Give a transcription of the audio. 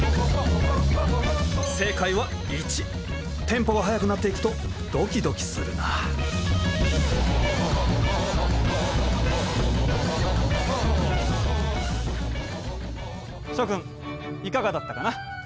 テンポが速くなっていくとドキドキするな諸君いかがだったかな？